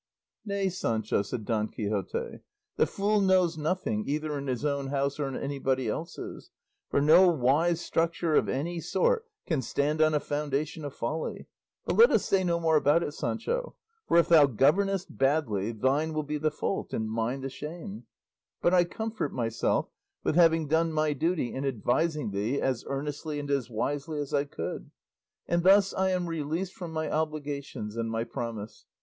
'" "Nay, Sancho," said Don Quixote, "the fool knows nothing, either in his own house or in anybody else's, for no wise structure of any sort can stand on a foundation of folly; but let us say no more about it, Sancho, for if thou governest badly, thine will be the fault and mine the shame; but I comfort myself with having done my duty in advising thee as earnestly and as wisely as I could; and thus I am released from my obligations and my promise.